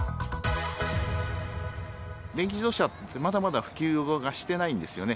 電気自動車ってまだまだ普及してないんですよね。